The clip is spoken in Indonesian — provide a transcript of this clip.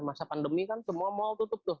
masa pandemi kan semua mal tutup tuh